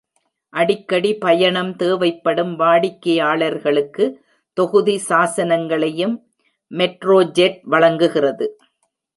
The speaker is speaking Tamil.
அடிக்கடி பயணம் தேவைப்படும் வாடிக்கையாளர்களுக்கு தொகுதி சாசனங்களையும் மெட்ரோஜெட் வழங்குகிறது.